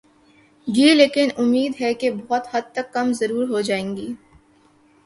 گی لیکن امید ہے کہ بہت حد تک کم ضرور ہو جائیں گی۔